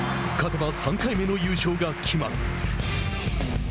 勝てば３回目の優勝が決まる。